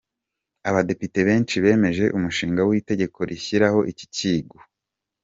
Abadepite benshi bemeje umushinga w’itegeko rishyiraho iki kigo.